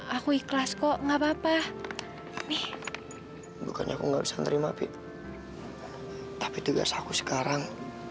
aku ikhlas kok nggak papa nih bukannya aku nggak bisa terima tapi tapi tugas aku sekarang